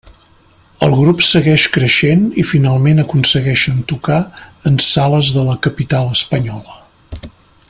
El grup segueix creixent i finalment aconsegueixen tocar en sales de la capital espanyola.